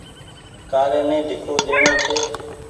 ڪآري ني ڍيڪو ڏيڻو ڇي۔